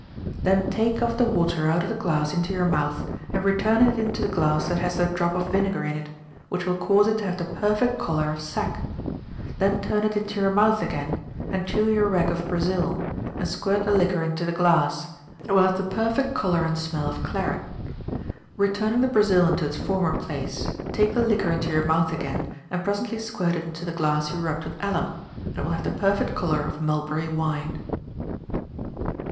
Then take of the water out of the glass into your mouth, and return it into the glass that has the drop of vinegar in it, which will cause it to have the perfect color of sack; then turn it into your mouth again, and chew your rag of brazil, and squirt the liquor into the glass, and it will have the perfect color and smell of claret; returning the brazil into its former place, take the liquor into your mouth again, and presently squirt it into the glass you rubbed with alum, and it will have the perfect color of mulberry wine.